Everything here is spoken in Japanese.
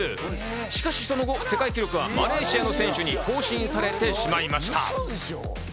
しかしその後、世界記録はマレーシアの選手に更新されてしまいました。